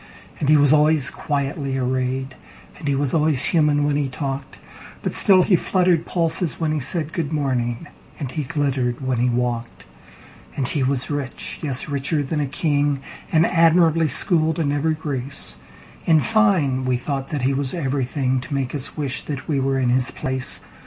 And he was always quietly arrayed, And he was always human when he talked; But still he fluttered pulses when he said,"Good morning," and he glittered when he walked. And he was rich—yes, richer than a king—And admirably schooled in every grace:In fine, we thought that he was everythingTo make us wish that we were in his place.